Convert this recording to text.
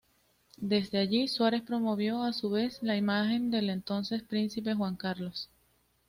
Desde allí, Suárez promovió a su vez la imagen del entonces Príncipe Juan Carlos.